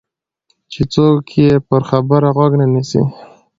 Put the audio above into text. چې څوک یې پر خبره غوږ نه نیسي.